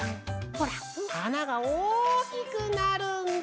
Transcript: ほらあながおおきくなるんだ。